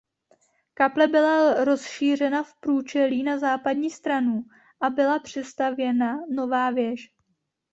Kaple byla rozšířena v průčelí na západní stranu a byla přistavěna nová věž.